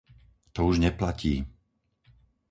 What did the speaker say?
To už neplatí!